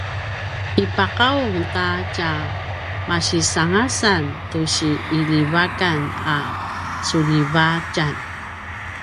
ipaqaung ta tjemaisangasan tusi iljivakan a suljivatjan